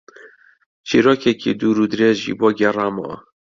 چیرۆکێکی دوور و درێژی بۆ گێڕامەوە.